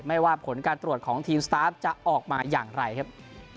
ว่าผลการตรวจของทีมสตาร์ฟจะออกมาอย่างไรครับ